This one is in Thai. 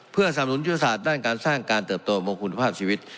เพื่อสำนุนยุทธศาสตร์ด้านการสร้างการเติบโตมงคุณภาพชีวิต